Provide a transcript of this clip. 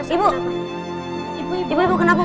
ibu ibu kenapa